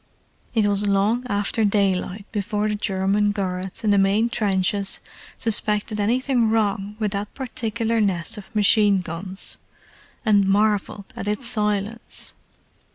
It was long after daylight before the German guards in the main trenches suspected anything wrong with that particular nest of machine guns, and marvelled at its silence.